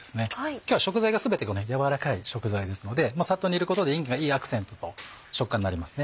今日は食材が全て柔らかい食材ですのでサッと煮ることでいんげんがいいアクセントと食感なりますね。